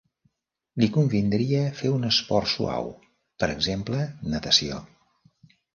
Li convindria fer un esport suau, per exemple natació.